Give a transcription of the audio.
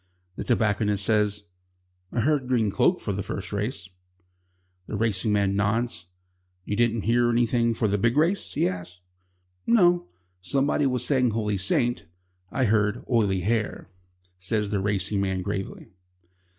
The tobacconist says: "I heard Green Cloak for the first race," The racing man nods. "You didn't hear anything for the big race?" he asks. "No. Somebody was saying Holy Saint." "I heard Oily Hair," says the racing man gravely.